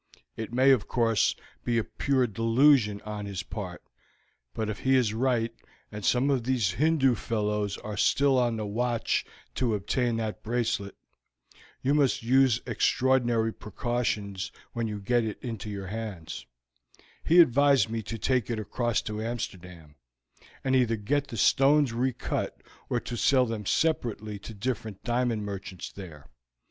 It may, of course, be a pure delusion on his part; but if he is right, and some of these Hindoo fellows are still on the watch to obtain that bracelet, you must use extraordinary precautions when you get it into your hands; he advised me to take it across to Amsterdam, and either get the stones recut or to sell them separately to different diamond merchants there.